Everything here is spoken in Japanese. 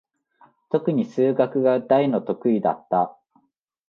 とくに数学が大の得意だった。